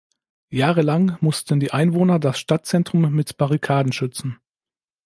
Jahrelang mussten die Einwohner das Stadtzentrum mit Barrikaden schützen.